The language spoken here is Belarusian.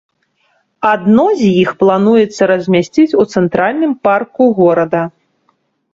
Адно з іх плануецца размясціць у цэнтральным парку горада.